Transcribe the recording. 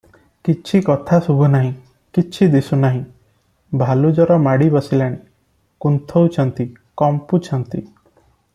କିଛି କଥା ଶୁଭୁ ନାହିଁ; କିଛି ଦିଶୁ ନାହିଁ, ଭାଲୁଜର ମାଡ଼ି ବସିଲାଣି, କୁନ୍ଥୋଉଛନ୍ତି, କମ୍ପୁଛନ୍ତି ।